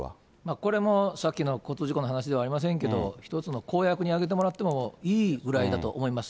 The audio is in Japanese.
これもさっきの交通事故の話ではありませんけれども、一つの公約に挙げてもらってもいいぐらいだと思います。